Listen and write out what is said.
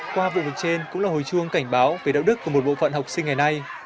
qua vụ việc trên cũng là hồi chuông cảnh báo về đạo đức của một bộ phận học sinh ngày nay